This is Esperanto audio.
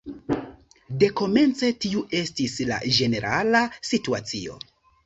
Dekomence tiu estis la ĝenerala situacio.